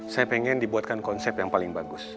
saya ingin dibuatkan konsep yang paling bagus